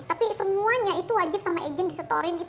tapi semuanya itu wajib sama agent disetorin